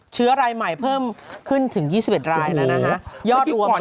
เชื้อรายใหม่เพิ่มขึ้นถึง๒๑รายแล้วนะฮะยอดรวม